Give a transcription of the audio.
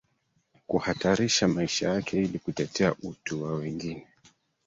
kuhatarisha maisha yake ili kutetea utu wa wengine